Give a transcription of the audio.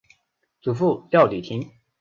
祖父廖礼庭。